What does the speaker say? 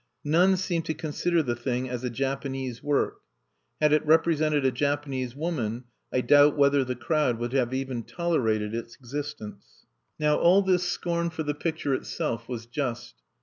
None seemed to consider the thing as a Japanese work. Had it represented a Japanese woman, I doubt whether the crowd would have even tolerated its existence. Now all this scorn for the picture itself was just.